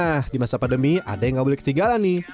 nah di masa pandemi ada yang nggak boleh ketinggalan nih